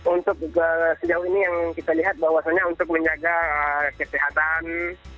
untuk sejauh ini yang kita lihat bahwasannya untuk menjaga kesehatan